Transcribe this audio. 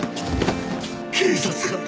警察官だ！